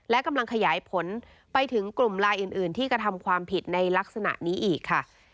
และกำลังขยายผลไปถึงกลุ่มลายอื่นที่กระทำความผิดในลักษณะนี้อีกค่ะ